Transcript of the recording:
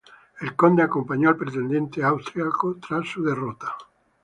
El conde, acompañó al pretendiente a Austria tras su derrota.